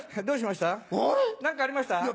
どうしました？